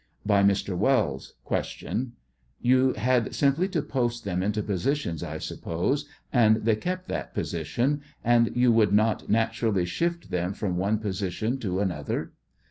By Mr. Wells : Q. Tou had simply to post them into position, I suppose, and they kept that position, and you would not naturally shift them from one position to another?